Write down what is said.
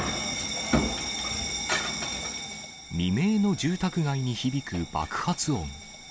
未明の住宅街に響く爆発音。